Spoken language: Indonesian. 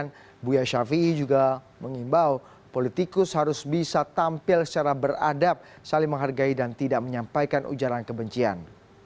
pengajian buya syafie juga mengimbau politikus harus bisa tampil secara beradab saling menghargai dan tidak menyampaikan ujaran kebencian